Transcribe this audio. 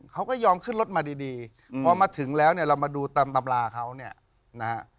เขาก็ยอมขึ้นรถมาดีพอมาถึงแล้วเนี่ยเรามาดูตามตำราเขาเนี่ยนะฮะ